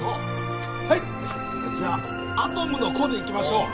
はいじゃあアトムの童でいきましょう